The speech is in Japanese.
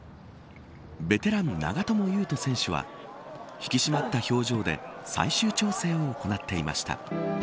ベテラン、長友佑都選手は引き締まった表情で最終調整を行っていました。